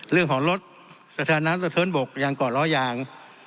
เรื่องของรถสถานับสถานบกยังก่อนล้อยาง